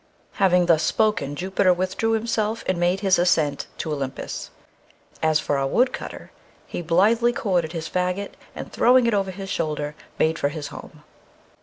Having thus spoken Jupiter withdrew himself and made his ascent to Olympus. As for our woodcutter, he blithely corded his faggot, and throwing it over his shoulder, made for his home.